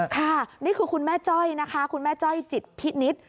ค่ะนี่คือคุณแม่จ้อยนะคะคุณแม่จ้อยจิตพินิษฐ์